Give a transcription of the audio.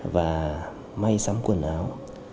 và may sắm quần áo